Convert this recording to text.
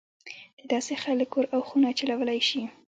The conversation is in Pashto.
دداسې خلک کور او خونه چلولای شي.